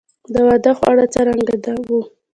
د واده خواړه څرنګه وو؟